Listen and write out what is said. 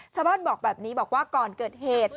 ชาวบ้านบอกแบบนี้บอกว่าก่อนเกิดเหตุ